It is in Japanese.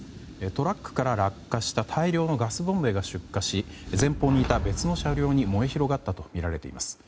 トラックから落下した大量のガスボンベが出火し前方にいた別の車両に燃え広がったとみられています。